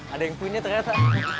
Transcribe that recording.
ada yang punya ternyata